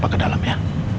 papa ke dalam ya